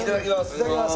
いただきます！